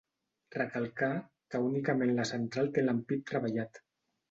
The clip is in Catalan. Recalcar, que únicament la central té l’ampit treballat.